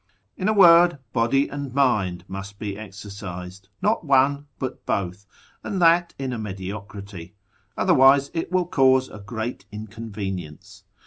In a word, body and mind must be exercised, not one, but both, and that in a mediocrity; otherwise it will cause a great inconvenience.